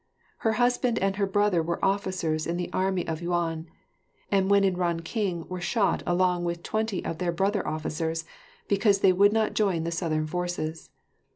Her husband and her brother were officers in the army of Yuan, and when in Ranking were shot along with twenty of their brother officers, because they would not join the Southern forces.